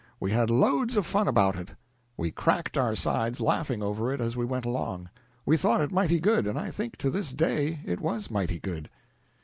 We had loads of fun about it. We cracked our sides laughing over it as we went along. We thought it mighty good, and I think to this day it was mighty good."